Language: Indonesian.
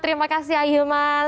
terima kasih a'ilman